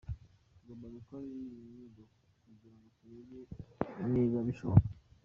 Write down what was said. Tugomba gukora inyigo kugira ngo turebe niba bishoboka.